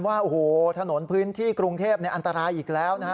ว่าโอ้โหถนนพื้นที่กรุงเทพอันตรายอีกแล้วนะฮะ